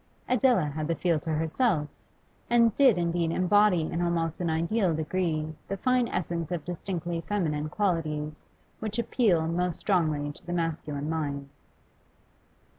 Adela had the field to herself, and did indeed embody in almost an ideal degree the fine essence of distinctly feminine qualities which appeal most strongly to the masculine mind.